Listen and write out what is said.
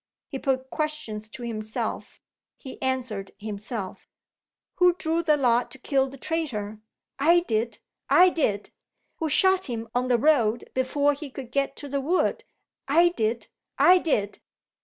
He put questions to himself; he answered himself: "Who drew the lot to kill the traitor? I did! I did! Who shot him on the road, before he could get to the wood? I did! I did!